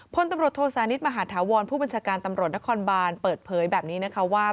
พลตำรวจโทษานิทมหาธาวรผู้บัญชาการตำรวจนครบานเปิดเผยแบบนี้นะคะว่า